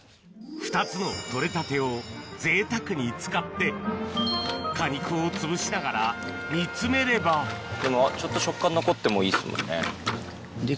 ２つの採れたてをぜいたくに使って果肉をつぶしながら煮詰めればちょっと食感残ってもいいですもんね。